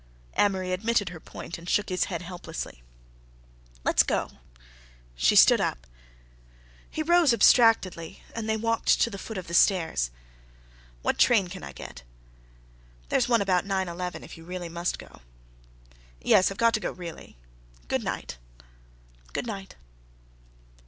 Amory admitted her point and shook his head helplessly. "Let's go." She stood up. He rose abstractedly and they walked to the foot of the stairs. "What train can I get?" "There's one about 9:11 if you really must go." "Yes, I've got to go, really. Good night." "Good night."